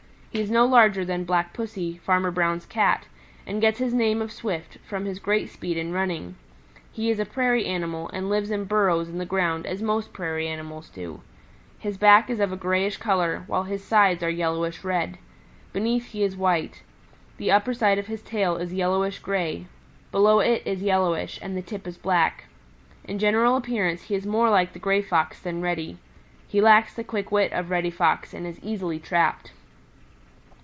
He is no larger than Black Pussy, Farmer Brown's Cat, and gets his name of Swift from his great speed in running. He is a prairie animal and lives in burrows in the ground as most prairie animals do. His back is of a grayish color, while his sides are yellowish red. Beneath he is white. The upper side of his tail is yellowish gray, below it is yellowish, and the tip is black. In general appearance he is more like the Gray Fox than Reddy. He lacks the quick wit of Reddy Fox and is easily trapped.